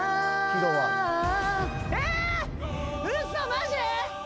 マジ？